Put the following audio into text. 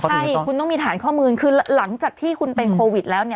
ใช่คุณต้องมีฐานข้อมูลคือหลังจากที่คุณเป็นโควิดแล้ว